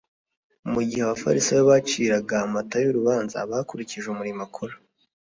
Mu gihe abafarisayo baciraga Matayo urubanza bakurikije umurimo akora,